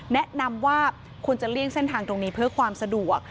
แนะนำว่าคุณจะเลี่ยงเส้นทางตรงนี้เพื่อความสะดวก